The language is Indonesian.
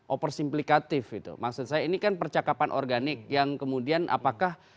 oversimplikatif itu maksud saya ini kan percakapan organik yang kemudian apakah